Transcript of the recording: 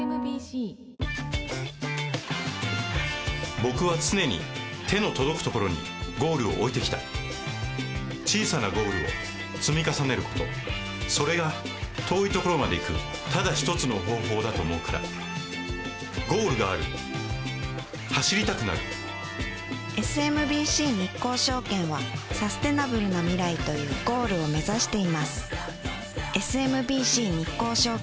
僕は常に手の届くところにゴールを置いてきた小さなゴールを積み重ねることそれが遠いところまで行くただ一つの方法だと思うからゴールがある走りたくなるＳＭＢＣ日興証券はサステナブルな未来というゴールを目指していますＳＭＢＣ日興証券